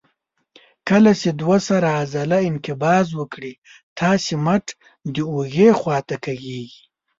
کله چې دوه سره عضله انقباض وکړي تاسې مټ د اوږې خواته کږېږي.